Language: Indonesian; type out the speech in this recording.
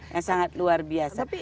yang sangat luar biasa